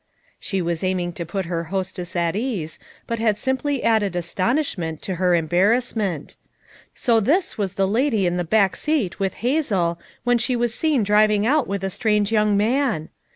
She was aiming to put her hostess at ease, but had simply added astonishment to her em barrassment. So this was the lady in the back seat with Hazel when she was seen driving out with a strange young man